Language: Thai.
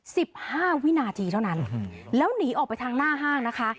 สิบห้าวินาทีเท่านั้นอืมแล้วหนีออกไปทางหน้าห้างนะคะ